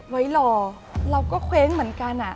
ไว้รอเราก็เคว้งเหมือนกัน